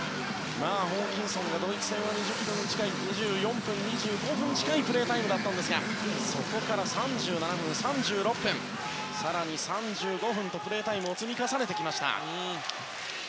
ホーキンソンがドイツ戦が２４分、２５分近いプレータイムだったんですがそこから３７分、３６分更に、３５分とプレータイムを積み重ねてきました。